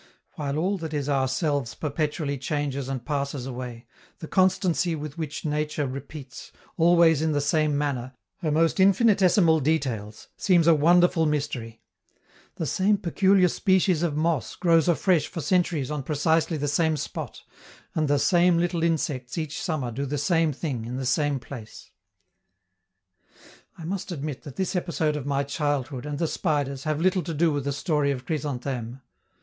While all that is ourselves perpetually changes and passes away, the constancy with which Nature repeats, always in the same manner, her most infinitesimal details, seems a wonderful mystery; the same peculiar species of moss grows afresh for centuries on precisely the same spot, and the same little insects each summer do the same thing in the same place. I must admit that this episode of my childhood, and the spiders, have little to do with the story of Chrysantheme.